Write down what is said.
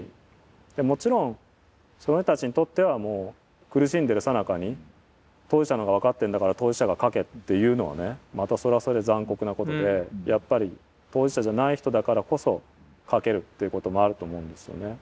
でもちろんその人たちにとってはもう苦しんでるさなかに当事者の方が分かってんだから当事者が書けっていうのはねまたそれはそれで残酷なことでやっぱり当事者じゃない人だからこそ書けるということもあると思うんですよね。